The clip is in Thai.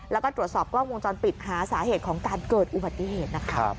แล้วก็ตรวจสอบกล้องวงจรปิดหาสาเหตุของการเกิดอุบัติเหตุนะคะ